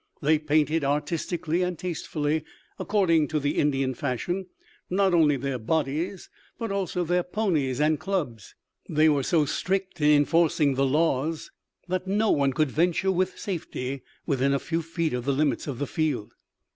They painted artistically and tastefully, according to the Indian fashion, not only their bodies but also their ponies and clubs. They were so strict in enforcing the laws that no one could venture with safety within a few feet of the limits of the field.